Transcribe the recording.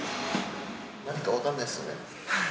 何か分かんないですよね。